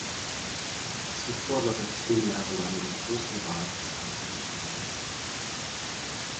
Zuvor sass er zehn Jahre lang im Grossen Rat des Kantons Wallis.